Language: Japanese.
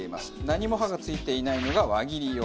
何も刃が付いていないのが輪切り用。